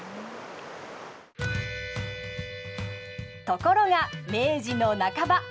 ところが明治の半ば。